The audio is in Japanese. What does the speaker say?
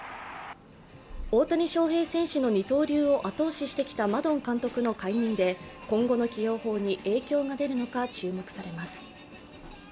大谷翔平選手の二刀流を後押ししてきたマドン監督の解任で今後の起用法に影響が出るのか注目されます。